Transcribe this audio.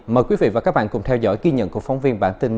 mời quý vị và các bạn cùng theo dõi ghi nhận của phóng viên bản tin